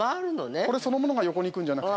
◆これそのものが横にいくんじゃなくて。